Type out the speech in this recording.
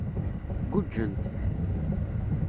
Guǧǧent.